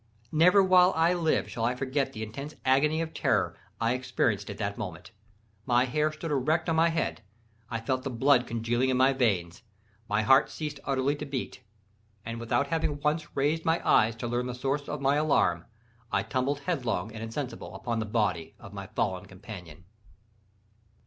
Never while I live shall I forget the intense agony of terror I experienced at that moment. My hair stood erect on my head—I felt the blood congealing in my veins—my heart ceased utterly to beat, and without having once raised my eyes to learn the source of my alarm, I tumbled headlong and insensible upon the body of my fallen companion.